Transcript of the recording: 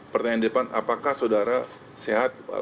pertanyaan di depan apakah saudara sehat